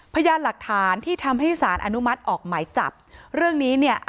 พยานหลักฐานที่ทำให้สารอนุมัติออกหมายจับเรื่องนี้เนี่ย